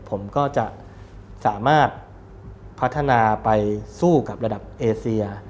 ผมก็จะสามารถพัฒนาไปสู้กับระดับเอเซีย